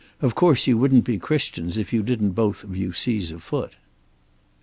Of course you wouldn't be Christians if you didn't both of you seize a foot."